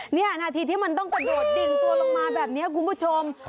นี่นาทีที่มันต้องกระโดดดิ่งตัวลงมาแบบนี้คุณผู้ชม